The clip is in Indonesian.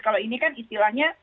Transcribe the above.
kalau ini kan istilahnya